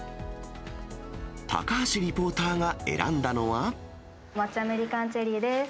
高橋リポーターが選んだのは。